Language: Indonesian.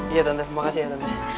iya tante makasih ya tante